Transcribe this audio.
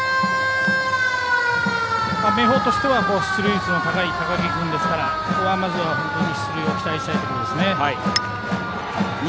明豊としては出塁率の高い高木君ですから、ここは出塁を期待したいところです。